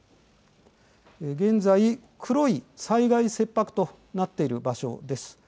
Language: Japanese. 現在、黒い災害切迫となっている場所です。